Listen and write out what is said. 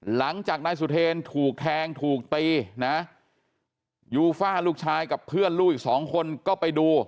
หลังจากนายสุเทรนถูกแทงถูกตีนะยูฟ่าลูกชายกับเพื่อนลูกอีกสองคนก็ไปดู